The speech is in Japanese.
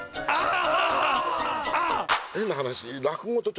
ああ！